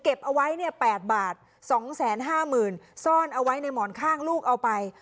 เก็บเอาไว้เนี่ยแปดบาทสองแสนห้าหมื่นซ่อนเอาไว้ในหมอนข้างลูกเอาไป